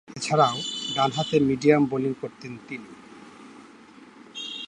এছাড়াও, ডানহাতে medium bowling করতেন তিনি।